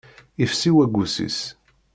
Ifsi waggus-is.